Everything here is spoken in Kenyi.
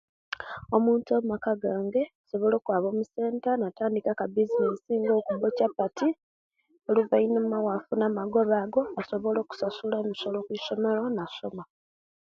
Omuntu omaka gange asobola okwaba musenta natandika akabizinesi nga okuba kyapati oluvanyuma owafuna amagoba ago asobola okusasula omusolo okwi'somero nasoma